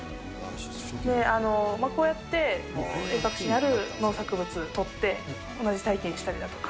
こうやって、遠隔地にある農作物を取って、同じ体験したりだとか。